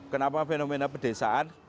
kenapa fenomena pedesaan